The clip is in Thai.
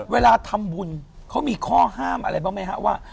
เวลาทำบุญเขามีข้อห้ามอะไรบ้างไหมฮะว่า